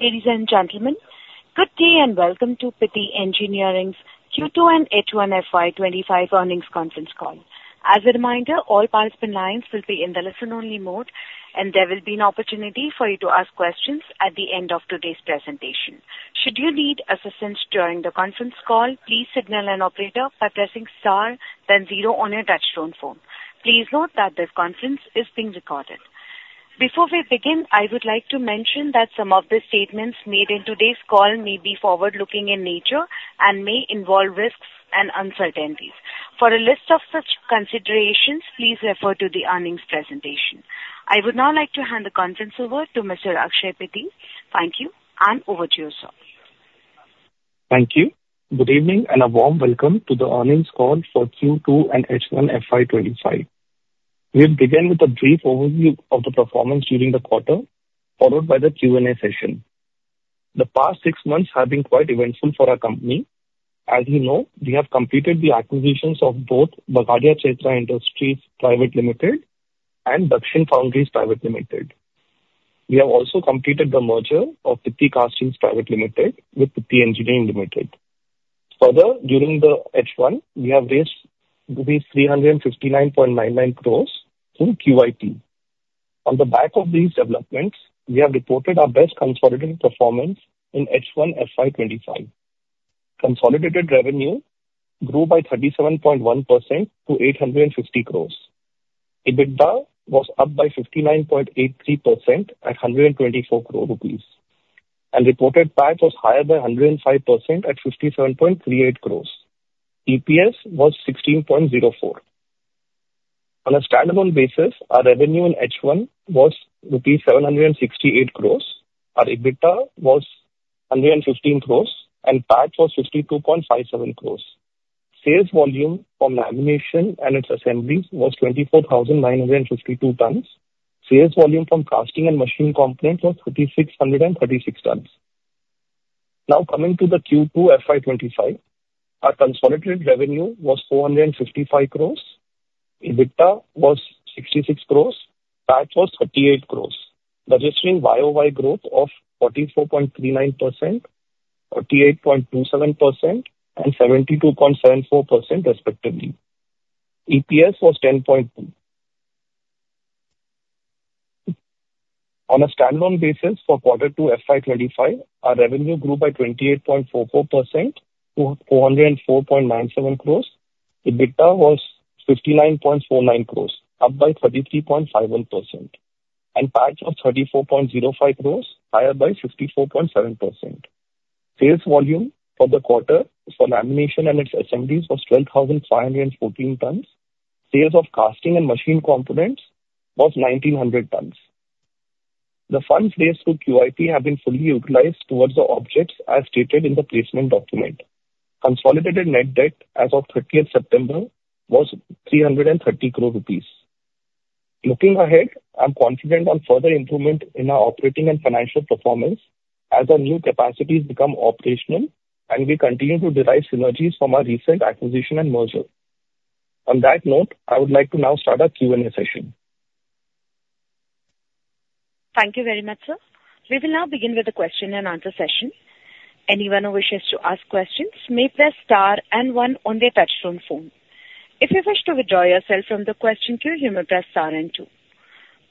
Ladies and gentlemen, good day and welcome to Pitti Engineering's Q2 and H1 FY 2025 earnings conference call. As a reminder, all participant lines will be in the listen-only mode, and there will be an opportunity for you to ask questions at the end of today's presentation. Should you need assistance during the conference call, please signal an operator by pressing star, then zero on your touchtone phone. Please note that this conference is being recorded. Before we begin, I would like to mention that some of the statements made in today's call may be forward-looking in nature and may involve risks and uncertainties. For a list of such considerations, please refer to the earnings presentation. I would now like to hand the conference over to Mr. Akshay Pitti. Thank you, and over to you, sir. Thank you. Good evening and a warm welcome to the earnings call for Q2 and H1 FY 2025. We'll begin with a brief overview of the performance during the quarter, followed by the Q&A session. The past six months have been quite eventful for our company. As you know, we have completed the acquisitions of both Bagadia Chaitra Industries Private Limited and Dakshin Foundries Private Limited. We have also completed the merger of Pitti Castings Private Limited with Pitti Engineering Limited. Further, during the H1, we have raised 359.99 crore through QIP. On the back of these developments, we have reported our best consolidated performance in H1 FY 2025. Consolidated revenue grew by 37.1% to 850 crore. EBITDA was up by 59.83% at 124 crore rupees and reported PAT was higher by 105% at 57.38 crore. EPS was 16.04. On a standalone basis, our revenue in H1 was rupees 768 crore, our EBITDA was 115 crore, and PAT was 52.57 crore. Sales volume from lamination and its assemblies was 24,952 tons. Sales volume from casting and machine components was 5,636 tons. Now coming to the Q2 FY 2025, our consolidated revenue was 455 crore, EBITDA was 66 crore, PAT was 38 crore, registering YoY growth of 44.39%, 48.27%, and 72.74% respectively. EPS was 10.2. On a standalone basis, for Q2 FY 2025, our revenue grew by 28.44% to 404.97 crore. EBITDA was 59.49 crore, up by 33.51%, and PAT was 34.05 crore, higher by 54.7%. Sales volume for the quarter for lamination and its assemblies was 12,514 tons. Sales of casting and machine components was 1,900 tons. The funds raised through QIP have been fully utilized towards the objects as stated in the placement document. Consolidated net debt as of 30th September was 330 crore rupees. Looking ahead, I'm confident on further improvement in our operating and financial performance as our new capacities become operational, and we continue to derive synergies from our recent acquisition and merger. On that note, I would like to now start our Q&A session. Thank you very much, sir. We will now begin with the question-and-answer session. Anyone who wishes to ask questions may press star and one on their touchtone phone. If you wish to withdraw yourself from the question queue, you may press star and two.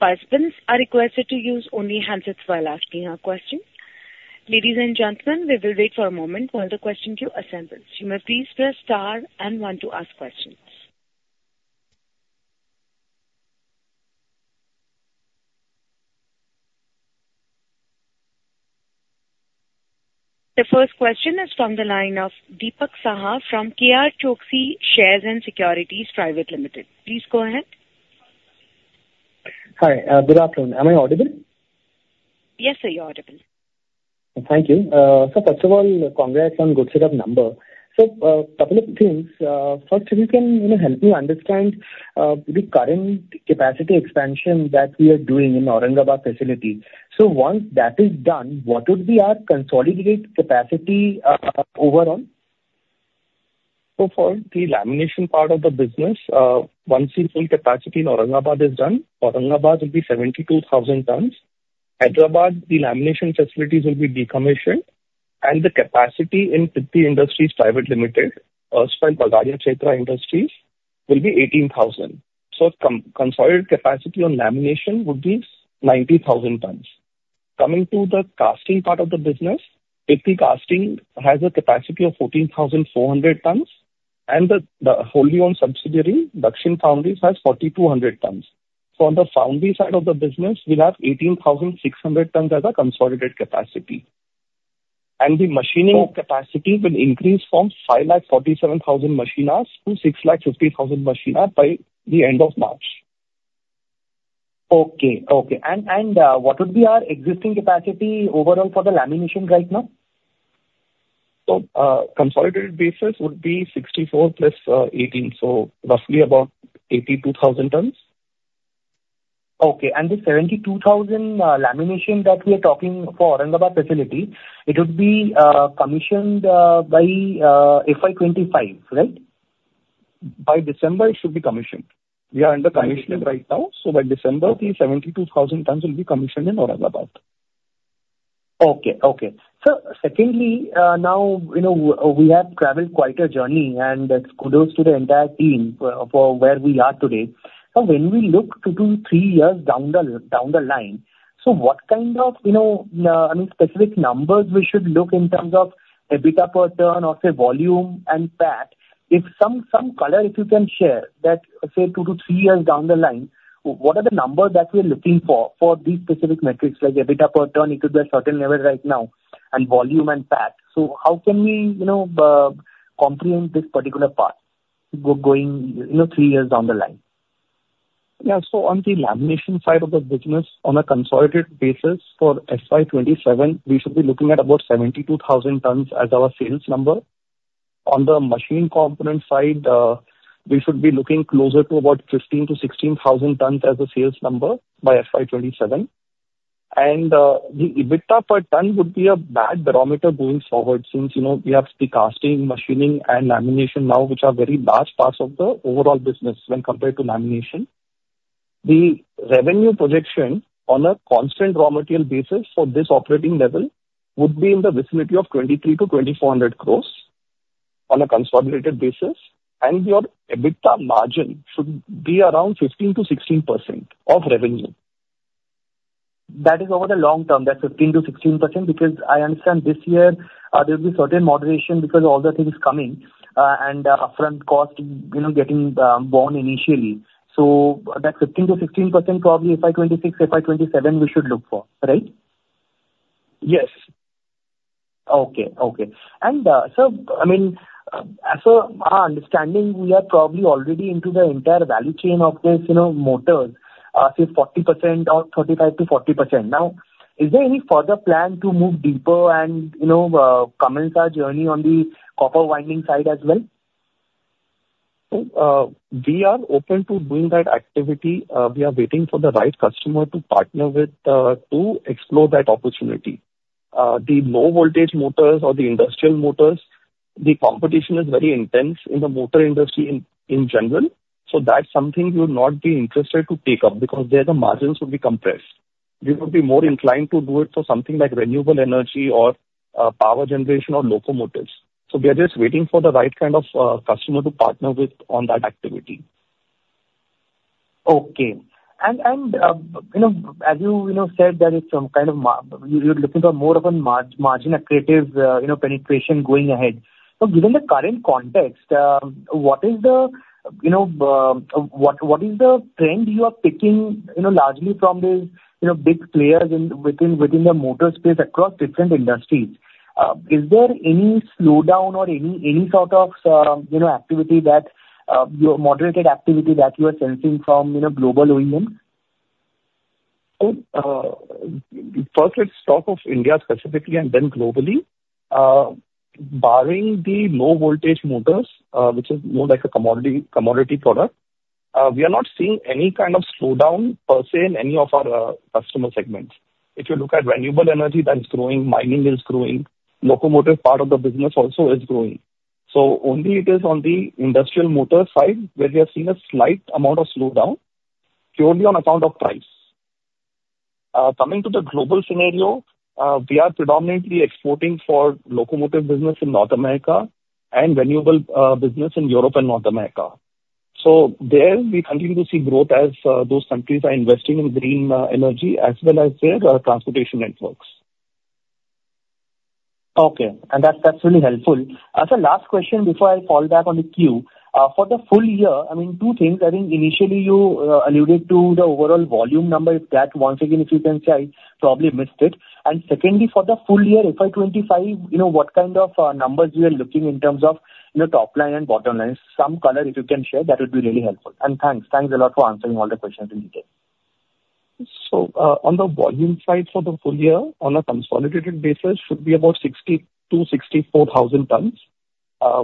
Participants are requested to use only handsets while asking your question. Ladies and gentlemen, we will wait for a moment while the question queue assembles. You may please press star and one to ask questions. The first question is from the line of Dipak Saha from KRChoksey Shares and Securities Private Limited. Please go ahead. Hi, good afternoon. Am I audible? Yes, sir. You're audible. Thank you. So first of all, congrats on good set of number. So a couple of things. First, if you can help me understand the current capacity expansion that we are doing in Aurangabad facility? So once that is done, what would be our consolidated capacity overall? For the lamination part of the business, once the full capacity in Aurangabad is done, Aurangabad will be 72,000 tons. Hyderabad, the lamination facilities will be decommissioned, and the capacity in Pitti Industries Private Limited, as well as Bagadia Chaitra Industries, will be 18,000. So consolidated capacity on lamination would be 90,000 tons. Coming to the casting part of the business, Pitti Castings has a capacity of 14,400 tons, and the wholly owned subsidiary, Dakshin Foundries, has 4,200 tons. So on the foundry side of the business, we have 18,600 tons as a consolidated capacity. And the machining capacity will increase from 547,000 machine hours to 650,000 machine hours by the end of March. Okay, okay, and what would be our existing capacity overall for the lamination right now? So consolidated basis would be 64 plus 18, so roughly about 82,000 tons. Okay. And the 72,000 lamination that we are talking for Aurangabad facility, it would be commissioned by FY 2025, right? By December, it should be commissioned. We are under commissioning right now. So by December, the 72,000 tons will be commissioned in Aurangabad. Okay, okay. So secondly, now we have traveled quite a journey, and kudos to the entire team for where we are today. So when we look two to three years down the line, so what kind of, I mean, specific numbers we should look in terms of EBITDA per turn or, say, volume and PAT? If some color, if you can share that, say, two to three years down the line, what are the numbers that we're looking for for these specific metrics like EBITDA per ton equal to a certain level right now and volume and PAT? So how can we comprehend this particular part going three years down the line? Yeah. So on the lamination side of the business, on a consolidated basis for FY 2027, we should be looking at about 72,000 tons as our sales number. On the machine component side, we should be looking closer to about 15,000 tons-16 ,000 tons as a sales number by FY 2027. And the EBITDA per ton would be a bad barometer going forward since we have the casting, machining, and lamination now, which are very large parts of the overall business when compared to lamination. The revenue projection on a constant raw material basis for this operating level would be in the vicinity of 2,300-2,400 crore on a consolidated basis. And your EBITDA margin should be around 15%-16% of revenue. That is over the long term, that 15%-16%, because I understand this year there will be certain moderation because of all the things coming and upfront cost getting borne initially. So that 15%-16% probably FY 2026, FY 2027, we should look for, right? Yes. Okay, okay. And so, I mean, so our understanding, we are probably already into the entire value chain of this motor, say 40% or 35%-40%. Now, is there any further plan to move deeper and commence our journey on the copper winding side as well? We are open to doing that activity. We are waiting for the right customer to partner with to explore that opportunity. The low voltage motors or the industrial motors, the competition is very intense in the motor industry in general. So that's something you would not be interested to take up because there the margins would be compressed. We would be more inclined to do it for something like renewable energy or power generation or locomotives. So we are just waiting for the right kind of customer to partner with on that activity. Okay. And as you said that it's kind of you're looking for more of a margin of greater penetration going ahead. So given the current context, what is the trend you are picking largely from these big players within the motor space across different industries? Is there any slowdown or any sort of moderated activity that you are sensing from global OEM? First, let's talk of India specifically and then globally. Barring the low-voltage motors, which is more like a commodity product, we are not seeing any kind of slowdown per se in any of our customer segments. If you look at renewable energy, that is growing. Mining is growing. Locomotive part of the business also is growing. So only it is on the industrial motor side where we have seen a slight amount of slowdown purely on account of price. Coming to the global scenario, we are predominantly exporting for locomotive business in North America and renewable business in Europe and North America. So there, we continue to see growth as those countries are investing in green energy as well as their transportation networks. Okay. And that's really helpful. As a last question before I fall back on the queue, for the full year, I mean, two things. I think initially you alluded to the overall volume number. That once again, if you can say, probably missed it. And secondly, for the full year, FY 2025, what kind of numbers you are looking in terms of top line and bottom line? Some color, if you can share, that would be really helpful. And thanks. Thanks a lot for answering all the questions in detail. On the volume side for the full year, on a consolidated basis, should be about 62,000 tons-64,000 tons.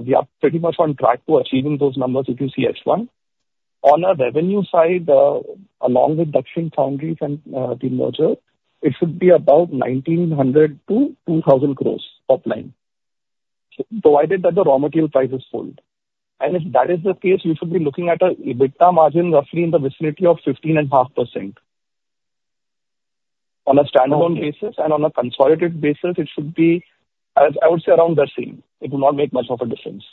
We are pretty much on track to achieving those numbers if you see H1. On a revenue side, along with Dakshin Foundries and the merger, it should be about 1,900-2,000 crore top-line, provided that the raw material prices hold. And if that is the case, you should be looking at an EBITDA margin roughly in the vicinity of 15.5%. On a standalone basis and on a consolidated basis, it should be, I would say, around the same. It will not make much of a difference.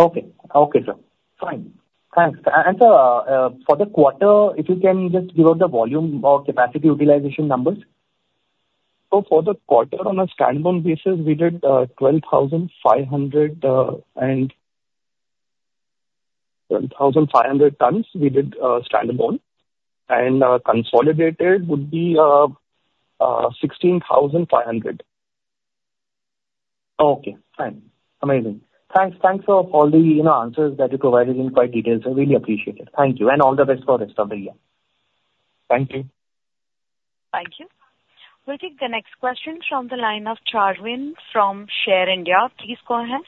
Okay, sir. Fine. Thanks. And for the quarter, if you can just give us the volume or capacity utilization numbers? For the quarter, on a standalone basis, we did 12,500 tons and 12,500 tons standalone. Consolidated would be 16,500. Okay. Fine. Amazing. Thanks. Thanks for all the answers that you provided in quite detail. I really appreciate it. Thank you and all the best for the rest of the year. Thank you. Thank you. We'll take the next question from the line of Charvin from Share India. Please go ahead.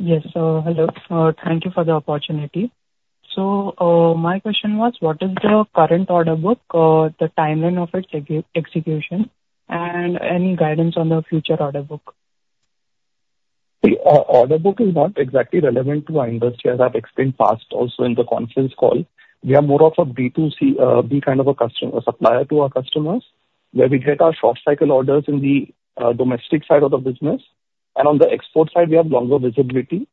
Yes. Hello. Thank you for the opportunity. So my question was, what is the current order book, the timeline of its execution, and any guidance on the future order book? The order book is not exactly relevant to our industry as I've explained in the past also in the conference call. We are more of a B2B kind of a supplier to our customers where we get our short cycle orders in the domestic side of the business. And on the export side, we have longer visibility.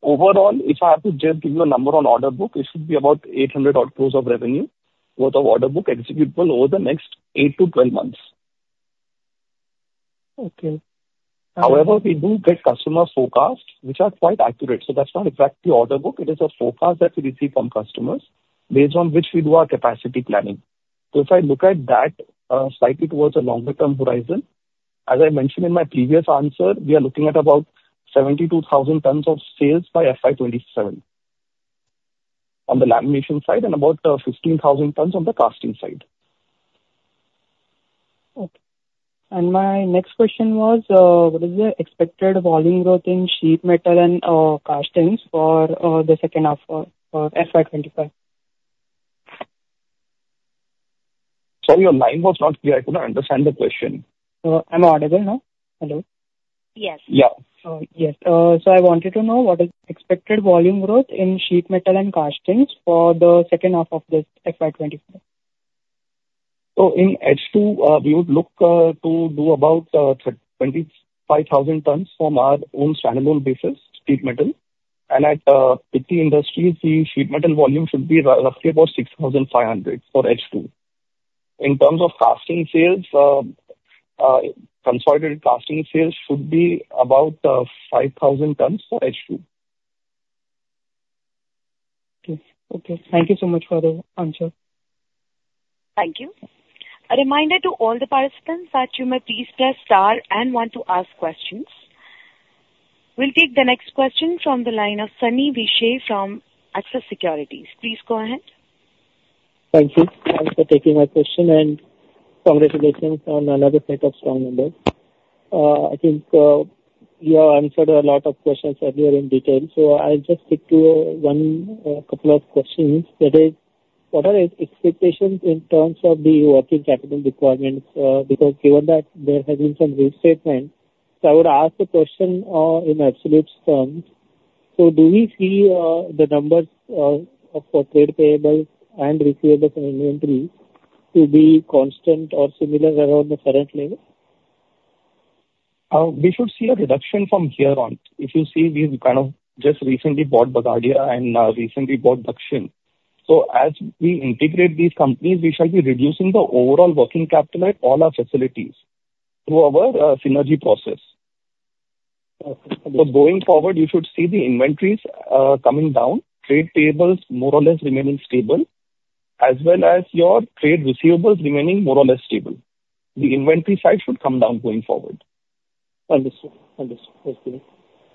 Overall, if I have to just give you a number on order book, it should be about 800 crore of revenue, worth of order book executable over the next eight to 12 months. Okay. However, we do get customer forecasts, which are quite accurate. So that's not exactly order book. It is a forecast that we receive from customers based on which we do our capacity planning. So if I look at that slightly towards a longer-term horizon, as I mentioned in my previous answer, we are looking at about 72,000 tons of sales by FY 2027 on the lamination side and about 15,000 tons on the casting side. Okay. And my next question was, what is the expected volume growth in sheet metal and castings for the second half of FY 2025? Sorry. Your line was not clear. I couldn't understand the question. I'm audible now. Hello? Yes. Yeah. Yes. So I wanted to know what is the expected volume growth in sheet metal and castings for the second half of this FY 2025? So in H2, we would look to do about 25,000 tons from our own standalone basis, sheet metal. And at Pitti Industries, the sheet metal volume should be roughly about 6,500 for H2. In terms of casting sales, consolidated casting sales should be about 5,000 tons for H2. Okay. Okay. Thank you so much for the answer. Thank you. A reminder to all the participants that you may please press star and one to ask questions. We'll take the next question from the line of Sani Vishe from Axis Securities. Please go ahead. Thank you for taking my question and congratulations on another set of strong numbers. I think you answered a lot of questions earlier in detail. So I'll just stick to one couple of questions. That is, what are the expectations in terms of the working capital requirements? Because given that there has been some restatement, so I would ask the question in absolute terms. So do we see the numbers for trade payables and receivables and inventory to be constant or similar around the current level? We should see a reduction from here on. If you see, we've kind of just recently bought Bagadia and recently bought Dakshin. So as we integrate these companies, we should be reducing the overall working capital at all our facilities through our synergy process. So going forward, you should see the inventories coming down, trade payables more or less remaining stable, as well as your trade receivables remaining more or less stable. The inventory side should come down going forward. Understood. Understood. Thank you.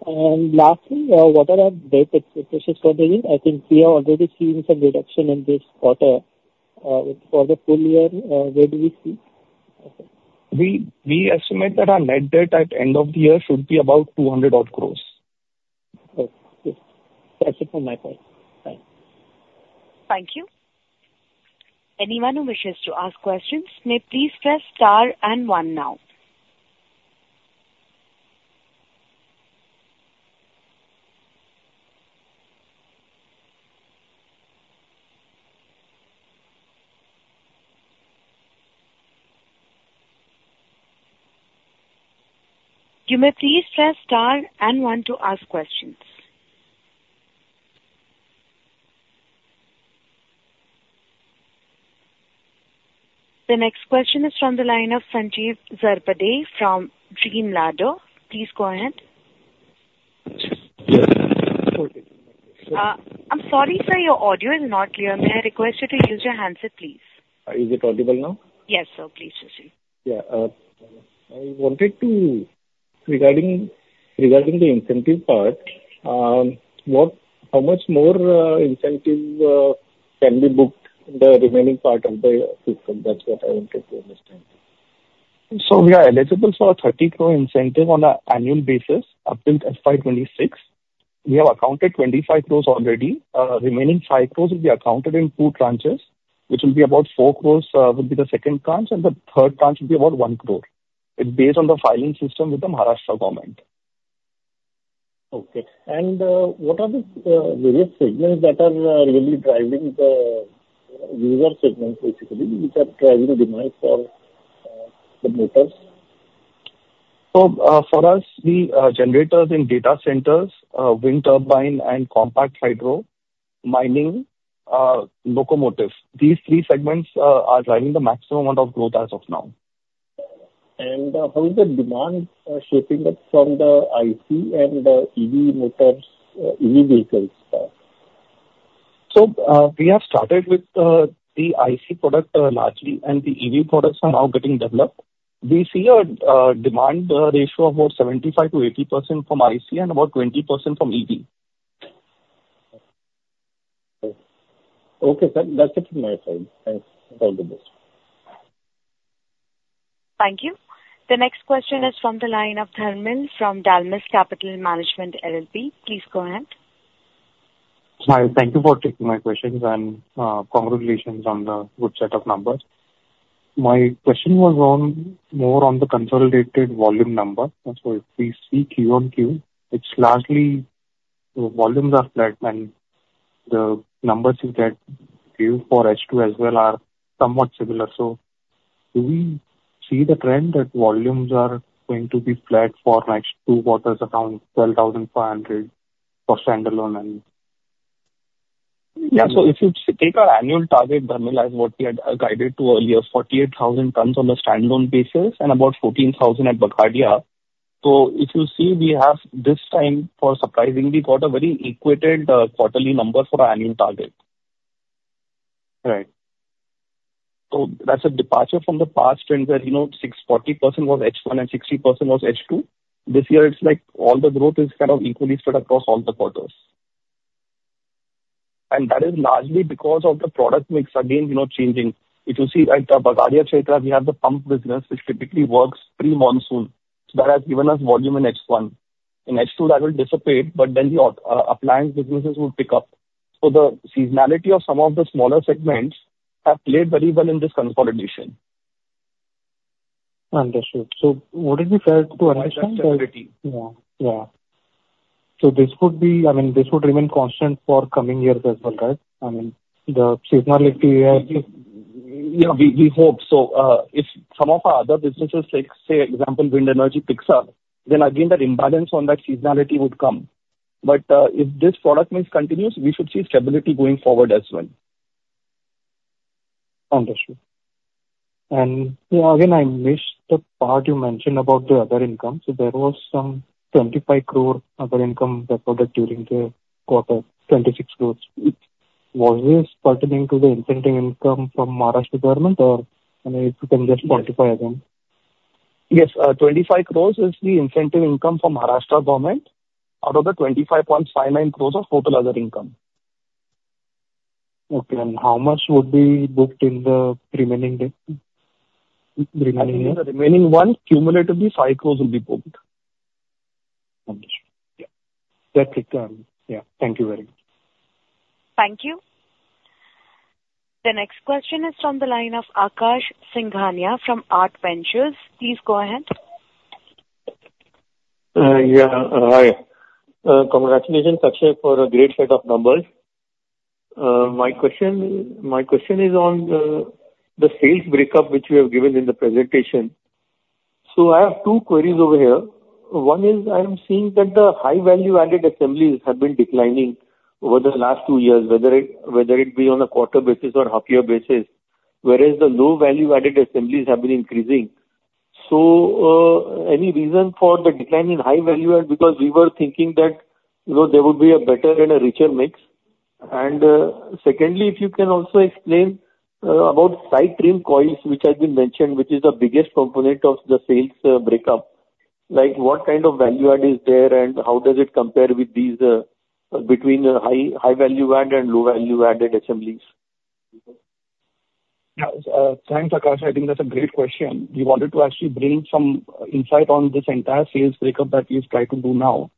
And lastly, what are our base expectations for the year? I think we are already seeing some reduction in this quarter. For the full year, where do we see? We estimate that our net debt at end of the year should be about 200 crore. Okay. That's it from my side. Thanks. Thank you. Anyone who wishes to ask questions, may please press star and one now. You may please press star and one to ask questions. The next question is from the line of Sanjeev Zarbade from Dreamladder. Please go ahead. I'm sorry, sir, your audio is not clear. May I request you to use your handset, please? Is it audible now? Yes, sir. Please proceed. Yeah. I wanted to regarding the incentive part, how much more incentive can be booked in the remaining part of the system? That's what I wanted to understand. We are eligible for an 30 crore incentive on an annual basis up till FY 2026. We have accounted 25 crore already. Remaining 5 crore will be accounted in two tranches, which will be about 4 crore would be the second tranche, and the third tranche would be about 1 crore. It's based on the filing system with the Maharashtra government. Okay, and what are the various segments that are really driving the user segments, basically, which are driving demand for the motors? So for us, the generators in data centers, wind turbine, and compact hydro mining locomotives. These three segments are driving the maximum amount of growth as of now. How is the demand shaping up from the IC and EV motors, EV vehicles? We have started with the IC product largely, and the EV products are now getting developed. We see a demand ratio of about 75%-80% from IC and about 20% from EV. Okay, sir. That's it from my side. Thanks. All the best. Thank you. The next question is from the line of Dharmil from Dalmus Capital Management LLP. Please go ahead. Hi. Thank you for taking my questions, and congratulations on the good set of numbers. My question was more on the consolidated volume number. So if we see Q-on-Q, it's largely the volumes are flat, and the numbers you get for H2 as well are somewhat similar. So do we see the trend that volumes are going to be flat for next two quarters around 12,500 for standalone? Yeah. So if you take our annual target, Dharmil as what we had guided to earlier, 48,000 tons on a standalone basis and about 14,000 at Bagadia. So if you see, we have this time far surprisingly got a very equated quarterly number for our annual target. Right. So that's a departure from the past trend where 40% was H1 and 60% was H2. This year, it's like all the growth is kind of equally spread across all the quarters. And that is largely because of the product mix again changing. If you see at Bagadia Chaitra, we have the pump business, which typically works pre-monsoon. So that has given us volume in H1. In H2, that will dissipate, but then the appliance businesses will pick up. So the seasonality of some of the smaller segments have played very well in this consolidation. Understood. So would it be fair to understand that? To provide stability. Yeah. So this would be, I mean, this would remain constant for coming years as well, right? I mean, the seasonality. Yeah, we hope so. If some of our other businesses, say example, wind energy picks up, then again, that imbalance on that seasonality would come. But if this product mix continues, we should see stability going forward as well. Understood. And yeah, again, I missed the part you mentioned about the other income. So there was some 25 crore other income recorded during the quarter, 26 crore. Was this pertinent to the incentive income from Maharashtra government, or I mean, if you can just quantify again? Yes. 25 crore is the incentive income from Maharashtra government out of the 25.59 crore of total other income. Okay. And how much would be booked in the remaining year? The remaining one, cumulatively, 5 crore will be booked. Understood. Yeah. That's it. Yeah. Thank you very much. Thank you. The next question is from the line of Akash Singhania from Aart Ventures. Please go ahead. Yeah. Hi. Congratulations, Akash, for a great set of numbers. My question is on the sales breakup, which you have given in the presentation. So I have two queries over here. One is I am seeing that the high-value-added assemblies have been declining over the last two years, whether it be on a quarter basis or half-year basis, whereas the low-value-added assemblies have been increasing. So any reason for the decline in high-value-added? Because we were thinking that there would be a better and a richer mix. And secondly, if you can also explain about Side Trim Coils, which has been mentioned, which is the biggest component of the sales breakup. Like what kind of value-add is there and how does it compare with these between high-value-added and low-value-added assemblies? Yeah. Thanks, Akash. I think that's a great question. We wanted to actually bring some insight on this entire sales breakup that we've tried to do now.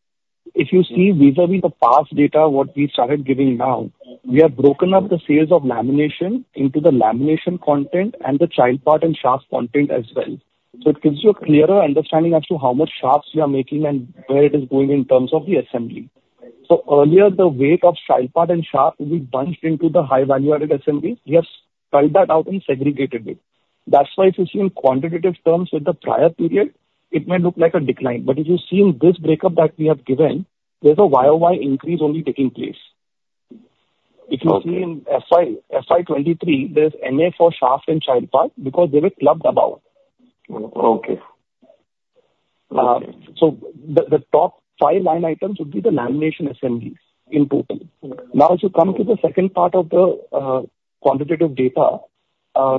If you see vis-à-vis the past data, what we started giving now, we have broken up the sales of lamination into the lamination content and the child part and shaft content as well. So it gives you a clearer understanding as to how much shafts we are making and where it is going in terms of the assembly. So earlier, the weight of child part and shaft will be bunched into the high-value-added assemblies. We have spelled that out and segregated it. That's why if you see in quantitative terms with the prior period, it may look like a decline. But if you see in this breakup that we have given, there's a YoY increase only taking place. If you see in FY 2023, there's NA for shaft and child part because they were clubbed about. Okay. The top five line items would be the lamination assemblies in total. Now, as you come to the second part of the quantitative data,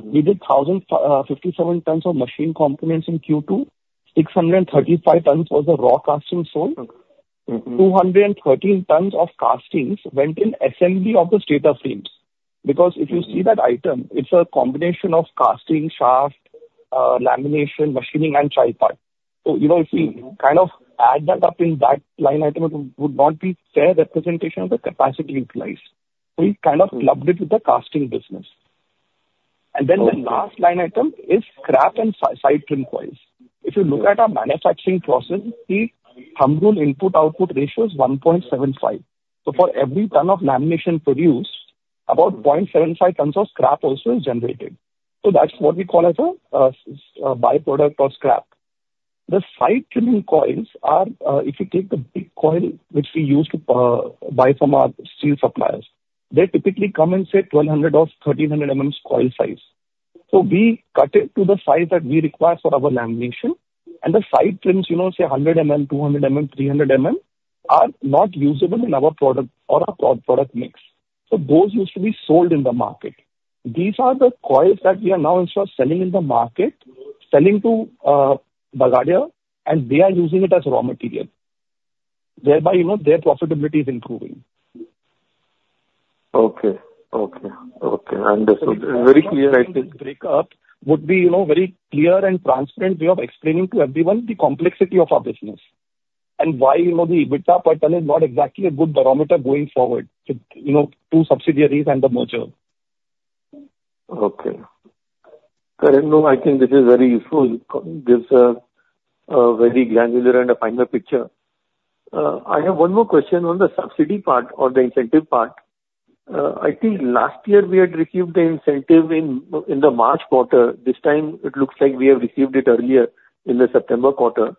we did 1,057 tons of machine components in Q2. 635 tons was the raw castings sold. 213 tons of castings went in assembly of the state of sales. Because if you see that item, it's a combination of casting, shaft, lamination, machining, and other part. So if we kind of add that up in that line item, it would not be a fair representation of the capacity utilized. So we kind of clubbed it with the casting business. And then the last line item is scrap and side trim coils. If you look at our manufacturing process, the thumb rule input-output ratio is 1.75. So for every ton of lamination produced, about 0.75 tons of scrap also is generated. So that's what we call as a byproduct or scrap. The side trim coils are, if you take the big coil which we use to buy from our steel suppliers, they typically come in, say, 1,200 mm or 1,300 mm coil size. So we cut it to the size that we require for our lamination. And the side trims, say, 100 mm, 200 mm, 300 mm are not usable in our product or our product mix. So those used to be sold in the market. These are the coils that we are now, in short, selling in the market, selling to Bagadia, and they are using it as raw material. Thereby, their profitability is improving. Okay. Understood. Very clear idea. This breakup would be very clear and transparent. We are explaining to everyone the complexity of our business and why the EBITDA pattern is not exactly a good barometer going forward to subsidiaries and the merger. Okay. Currently, I think this is very useful. It gives a very granular and a finer picture. I have one more question on the subsidy part or the incentive part. I think last year we had received the incentive in the March quarter. This time, it looks like we have received it earlier in the September quarter.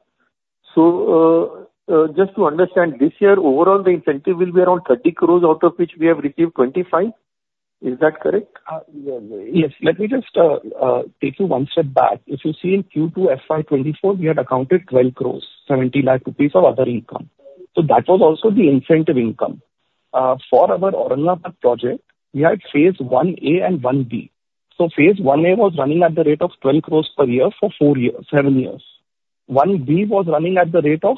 So just to understand, this year, overall, the incentive will be around 30 crore, out of which we have received 25. Is that correct? Yes. Let me just take you one step back. If you see in Q2 FY 2024, we had accounted 12 crore, 70 lakh rupees of other income. So that was also the incentive income. For our Aurangabad project, we had phase I-A and I-B. So phase I-A was running at the rate of 12 crore per year for seven years. I-B was running at the rate of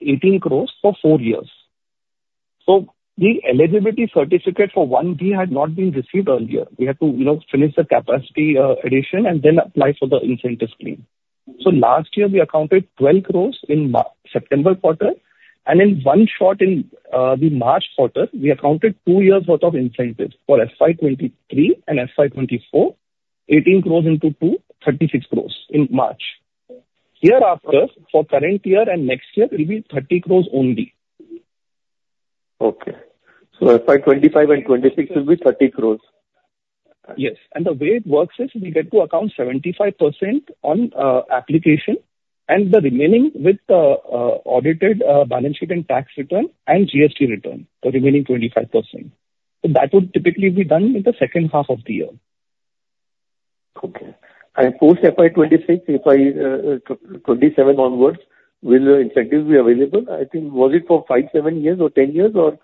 18 crore for four years. So the eligibility certificate for I-B had not been received earlier. We had to finish the capacity addition and then apply for the incentive scheme. So last year, we accounted 12 crore in September quarter. And in one shot in the March quarter, we accounted two years' worth of incentives for FY 2023 and FY 2024, 18 crore into two, 36 crore in March. Hereafter, for current year and next year, it will be 30 crore only. Okay, so FY 2025 and 2026 will be 30 crores. Yes. And the way it works is we get to account 75% on application and the remaining with the audited balance sheet and tax return and GST return, the remaining 25%. So that would typically be done in the second half of the year. Okay. And post FY 2026, FY 2027 onwards, will the incentives be available? I think, was it for five, seven years, or 10 years, or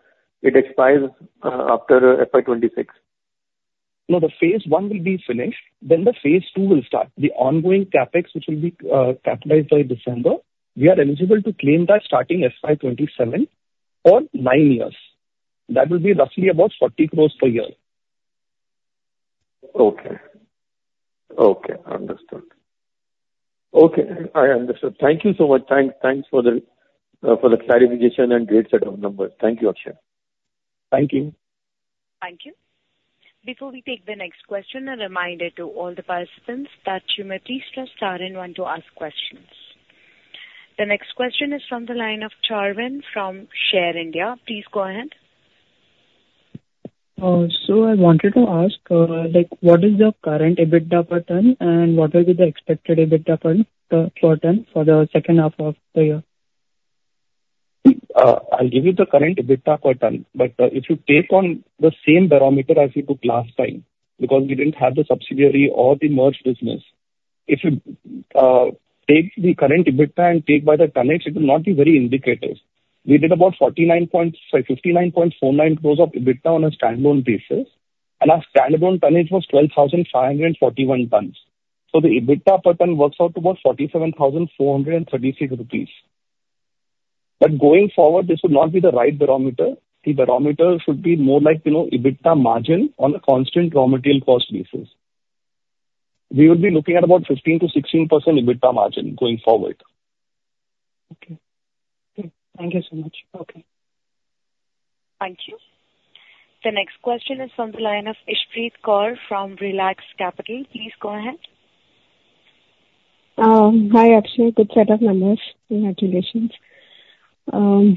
it expires after FY 2026? No, the phase I will be finished. Then the phase II will start. The ongoing CapEx, which will be capitalized by December, we are eligible to claim that starting FY 2027 for nine years. That will be roughly about 40 crore per year. Okay. Understood. Thank you so much. Thanks for the clarification and great set of numbers. Thank you, Akshay. Thank you. Thank you. Before we take the next question, a reminder to all the participants that you may please press star one to ask questions. The next question is from the line of Charvin from Share India. Please go ahead. So I wanted to ask, what is the current EBITDA pattern, and what will be the expected EBITDA pattern for the second half of the year? I'll give you the current EBITDA pattern, but if you take on the same barometer as we took last time, because we didn't have the subsidiary or the merged business, if you take the current EBITDA and take by the tonnage, it will not be very indicative. We did about 59.49 crore of EBITDA on a standalone basis, and our standalone tonnage was 12,541 tons. So the EBITDA pattern works out to about 47,436 rupees. But going forward, this would not be the right barometer. The barometer should be more like EBITDA margin on a constant raw material cost basis. We will be looking at about 15%-16% EBITDA margin going forward. Okay. Thank you so much. Okay. Thank you. The next question is from the line of Ishpreet Batra from Relax Capital. Please go ahead. Hi, Akshay. Good set of numbers. Congratulations. Hello.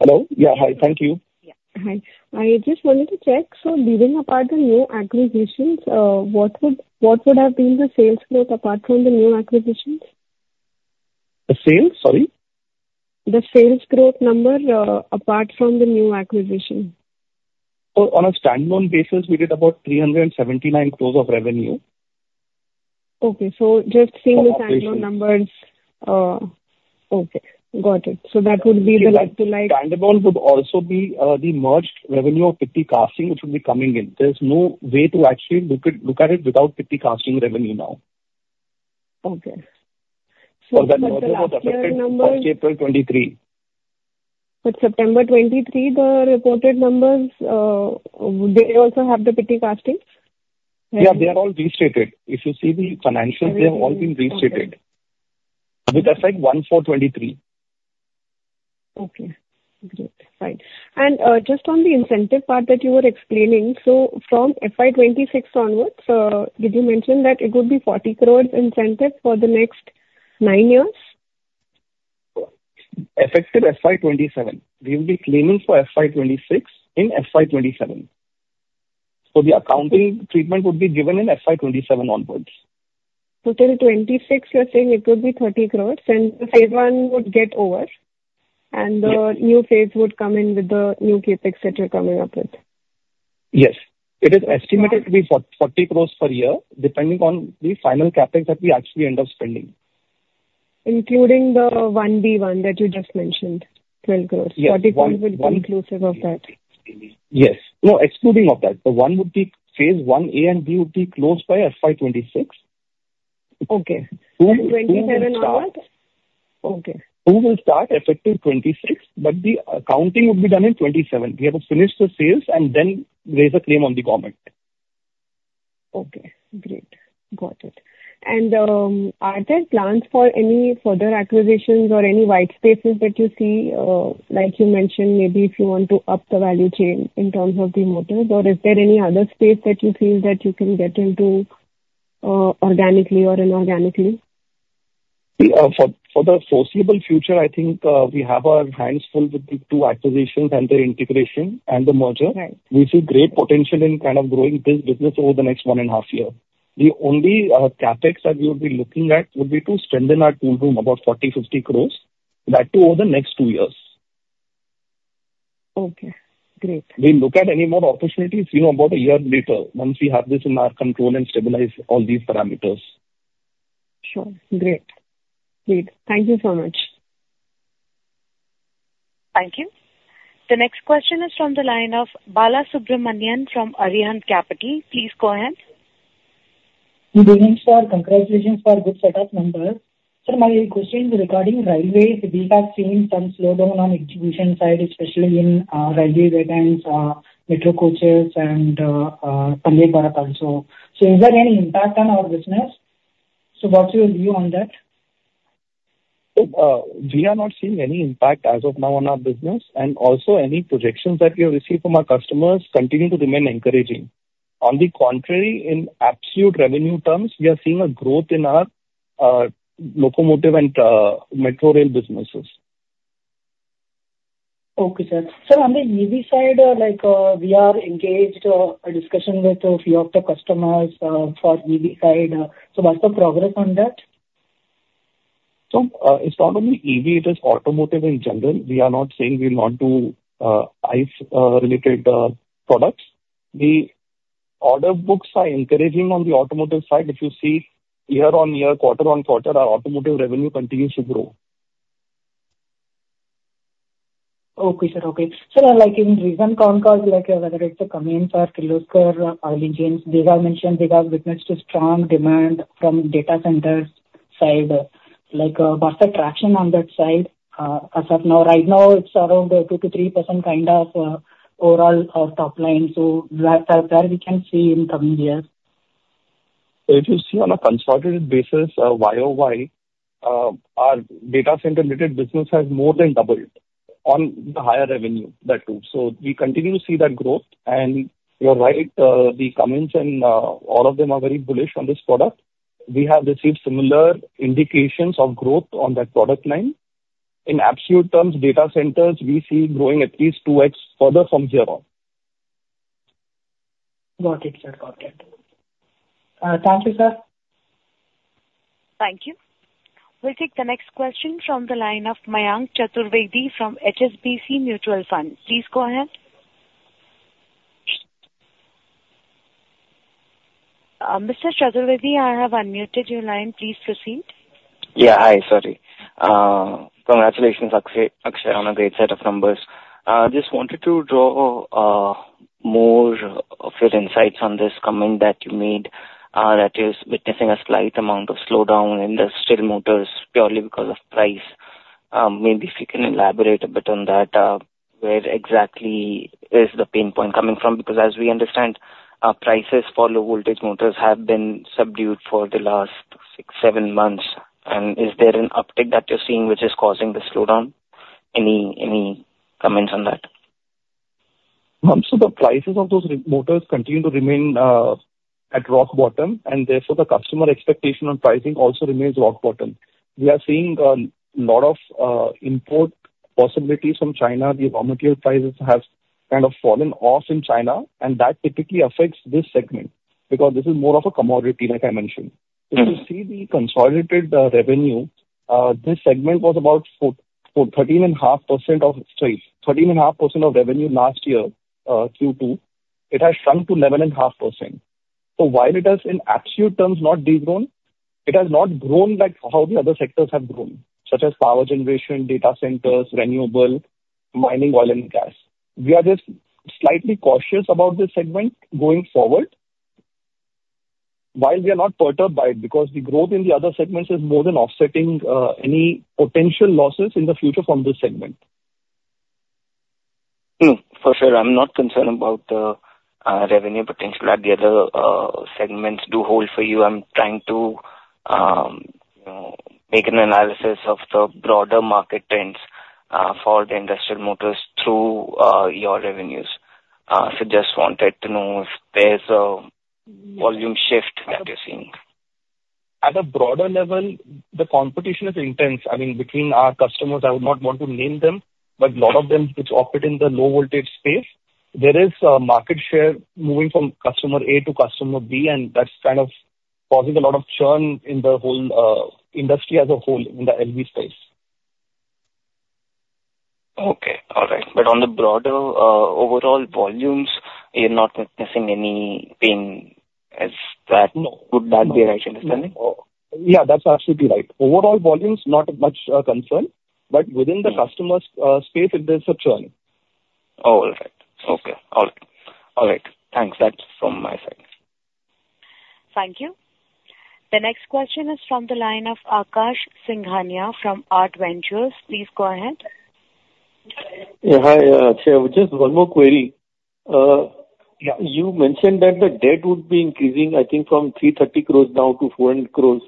Hello? Yeah. Hi. Thank you. Yeah. Hi. I just wanted to check. So leaving apart the new acquisitions, what would have been the sales growth apart from the new acquisitions? The sales? Sorry? The sales growth number apart from the new acquisition. On a standalone basis, we did about 379 crore of revenue. Okay. So just seeing the standalone numbers. Okay. Got it. So that would be the like-to-like. Standalone would also be the merged revenue of Pitti Castings, which would be coming in. There's no way to actually look at it without Pitti Castings revenue now. Okay, so the reported numbers. That was reported, was affected in April 2023. But September 2023, the reported numbers, did they also have the Pitti Castings? Yeah. They are all restated. If you see the financials, they have all been restated with effect 01/04/2023. Okay. Great. Fine. Just on the incentive part that you were explaining, so from FY 2026 onwards, did you mention that it would be 40 crore incentive for the next nine years? Effective FY 2027, we will be claiming for FY 2026 in FY 2027. So the accounting treatment would be given in FY 2027 onwards. So till 2026, you're saying it would be 30 crore, and phase I would get over, and the new phase would come in with the new CapEx that you're coming up with? Yes. It is estimated to be 40 crore per year, depending on the final CapEx that we actually end up spending. Including the I-B one that you just mentioned, 12 crore. 40 crore would be inclusive of that. Yes. No, excluding of that. The one would be phase I-A and B would be closed by FY 2026. Okay. So 2027 onwards? Okay. We will start effective 2026, but the accounting would be done in 2027. We have to finish the sales and then raise a claim on the government. Okay. Great. Got it. And are there plans for any further acquisitions or any white spaces that you see, like you mentioned, maybe if you want to up the value chain in terms of the motors? Or is there any other space that you feel that you can get into organically or inorganically? For the foreseeable future, I think we have our hands full with the two acquisitions and the integration and the merger. We see great potential in kind of growing this business over the next one and a half year. The only CapEx that we would be looking at would be to strengthen our tool room, about 40-50 crore, that too over the next two years. Okay. Great. We look at any more opportunities about a year later once we have this in our control and stabilize all these parameters. Sure. Great. Great. Thank you so much. Thank you. The next question is from the line of Balasubramanian from Arihant Capital. Please go ahead. Good evening, sir. Congratulations for a good set of numbers. Sir, my question is regarding railways. We have seen some slowdown on the execution side, especially in railway wagons, metro coaches, and Vande Bharat also. So is there any impact on our business? So what's your view on that? We are not seeing any impact as of now on our business, and also, any projections that we have received from our customers continue to remain encouraging. On the contrary, in absolute revenue terms, we are seeing a growth in our locomotive and metro rail businesses. Okay, sir. Sir, on the EV side, we are engaged in a discussion with a few of the customers for EV side. So what's the progress on that? So it's not only EV. It is automotive in general. We are not saying we will not do IC-related products. The order books are encouraging on the automotive side. If you see year-on-year, quarter-on-quarter, our automotive revenue continues to grow. Okay, sir. Okay. Sir, in recent concalls, whether it's the Cummins or Kirloskar Oil Engines, they have mentioned they have witnessed a strong demand from data centers side. What's the traction on that side as of now? Right now, it's around 2%-3% kind of overall top-line. So where we can see in coming years? If you see on a consolidated basis, YoY, our data center-related business has more than doubled on the higher revenue that too. So we continue to see that growth. And you're right, the Cummins and all of them are very bullish on this product. We have received similar indications of growth on that product line. In absolute terms, data centers, we see growing at least 2x further from here on. Got it, sir. Got it. Thank you, sir. Thank you. We'll take the next question from the line of Mayank Chaturvedi from HSBC Mutual Fund. Please go ahead. Mr. Chaturvedi, I have unmuted your line. Please proceed. Yeah. Hi. Sorry. Congratulations, Akshay, on a great set of numbers. I just wanted to draw more of your insights on this comment that you made that is witnessing a slight amount of slowdown in the industrial motors purely because of price. Maybe if you can elaborate a bit on that, where exactly is the pain point coming from? Because as we understand, prices for low-voltage motors have been subdued for the last six, seven months. And is there an uptick that you're seeing which is causing the slowdown? Any comments on that? So the prices of those motors continue to remain at rock bottom, and therefore, the customer expectation on pricing also remains rock bottom. We are seeing a lot of import possibilities from China. The raw material prices have kind of fallen off in China, and that typically affects this segment because this is more of a commodity, like I mentioned. If you see the consolidated revenue, this segment was about 13.5% of sorry, 13.5% of revenue last year, Q2. It has shrunk to 11.5%. So while it has, in absolute terms, not degrown, it has not grown like how the other sectors have grown, such as power generation, data centers, renewable, mining, oil, and gas. We are just slightly cautious about this segment going forward, while we are not perturbed by it because the growth in the other segments is more than offsetting any potential losses in the future from this segment. For sure. I'm not concerned about the revenue potential that the other segments do hold for you. I'm trying to make an analysis of the broader market trends for the industrial motors through your revenues. So just wanted to know if there's a volume shift that you're seeing? At a broader level, the competition is intense. I mean, between our customers, I would not want to name them, but a lot of them which operate in the low-voltage space, there is market share moving from customer A to customer B, and that's kind of causing a lot of churn in the whole industry as a whole in the LV space. Okay. All right. But on the broader overall volumes, you're not witnessing anything as that. No. Would that be a right understanding? Yeah. That's absolutely right. Overall volumes, not much concern, but within the customer's space, there's a churn. All right. Okay. Thanks. That's from my side. Thank you. The next question is from the line of Akash Singhania from Aart Ventures. Please go ahead. Yeah. Hi, Akshay. Just one more query. You mentioned that the debt would be increasing, I think, from 330 crore to 400 crore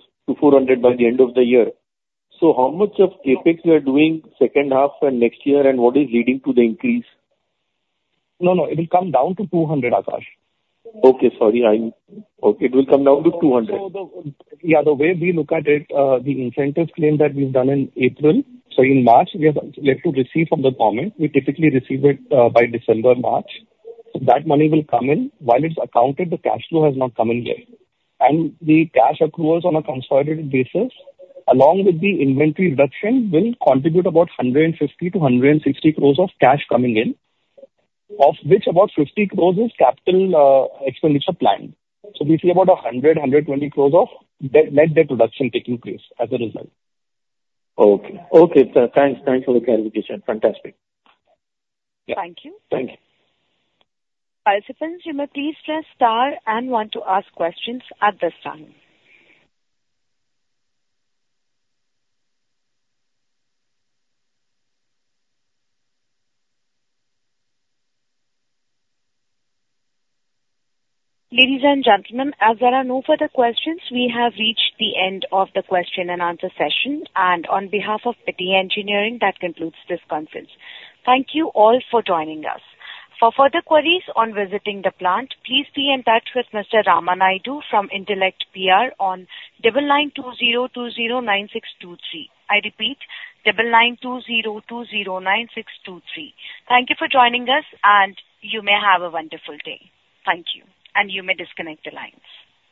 by the end of the year. So how much of CapEx you are doing second half and next year, and what is leading to the increase? No, no. It will come down to 200, Akash. Okay. Sorry. It will come down to 200. Yeah. The way we look at it, the incentive claim that we've done in April, so in March, we have to receive from the government. We typically receive it by December, March. That money will come in. While it's accounted, the cash flow has not come in yet. And the cash accruals on a consolidated basis, along with the inventory reduction, will contribute about 150-160 crore of cash coming in, of which about 50 crore is capital expenditure planned. So we see about 100-120 crore of net debt reduction taking place as a result. Okay. Okay, sir. Thanks. Thanks for the clarification. Fantastic. Thank you. Thank you. Participants, you may please press star one to ask questions at this time. Ladies and gentlemen, as there are no further questions, we have reached the end of the question-and-answer session, and on behalf of Pitti Engineering, that concludes this conference. Thank you all for joining us. For further queries on visiting the plant, please be in touch with Mr. Rama Naidu from Intellect PR on 9920209623. I repeat, 9920209623. Thank you for joining us, and you may have a wonderful day. Thank you, and you may disconnect the lines.